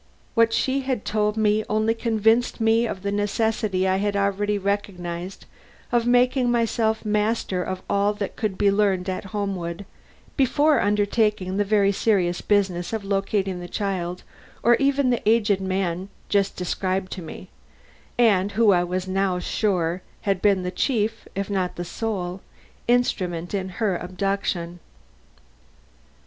What she had told me only convinced me of the necessity I had already recognized of making myself master of all that could be learned at Homewood before undertaking the very serious business of locating the child or even the aged man just described to me, and who I was now sure had been the chief, if not the sole, instrument in her abduction.